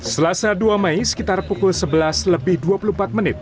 selasa dua mei sekitar pukul sebelas lebih dua puluh empat menit